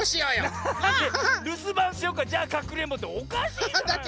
るすばんしようかじゃあかくれんぼっておかしいじゃないの！